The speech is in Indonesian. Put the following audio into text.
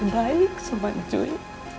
baik sama cuy